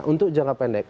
untuk jangka pendek